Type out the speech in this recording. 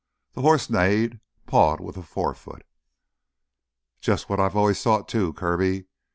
The horse neighed, pawed with a forefoot. "Just what I've always thought, too, Kirby."